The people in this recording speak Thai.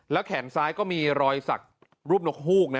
แขนซ้ายก็มีรอยสักรูปนกฮูกนะ